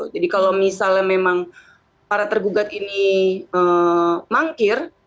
jadi kalau misalnya memang para tergugat ini mangkir